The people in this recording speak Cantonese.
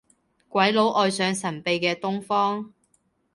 鬼佬愛上神秘嘅東方